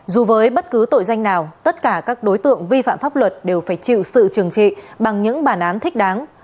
dù với bất cứ tội danh nào tất cả các đối tượng vi phạm pháp luật đều phải chịu sự trừng trị bằng những bản án thích đáng